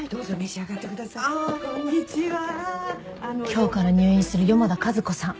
今日から入院する四方田和子さん。